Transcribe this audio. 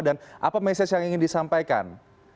dan apa message yang ingin disampaikan